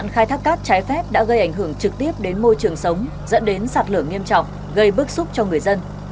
khai thác cát trái phép đã gây ảnh hưởng trực tiếp đến môi trường sống dẫn đến sạt lở nghiêm trọng gây bức xúc cho người dân